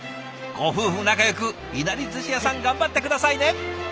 ご夫婦仲よくいなり寿司屋さん頑張って下さいね。